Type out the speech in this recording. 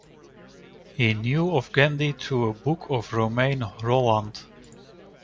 He knew of Gandhi through a book by Romain Rolland.